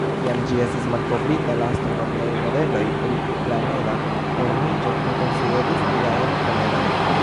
Kiam ĝi estis malkovrita, la astronomiaj modeloj pri planeda formiĝo ne konsideris tiajn planedojn.